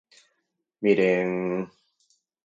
Miren...